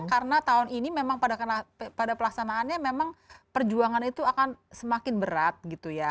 karena tahun ini memang pada pelaksanaannya memang perjuangan itu akan semakin berat gitu ya